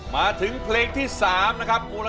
มาถึงเพลงที่๓มูลค่า๔๐๐๐๐บาท